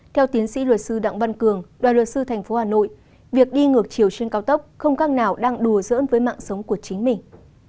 theo tiến sĩ luật sư đặng văn cường đoàn luật sư tp hà nội việc đi ngược chiều trên cao tốc không các nào đang đùa dỡn với mạng sống của chính mình